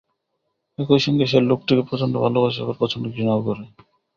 একই সঙ্গে সে লোকটিকে প্রচণ্ড ভালবাসে, আবার প্রচণ্ড ঘৃণাও করে।